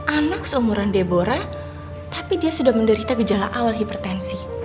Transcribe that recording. anak seumuran debora tapi dia sudah menderita gejala awal hipertensi